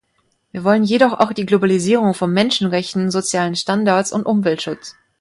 Wir wollen jedoch auch die Globalisierung von Menschenrechten, sozialen Standards und Umweltschutz.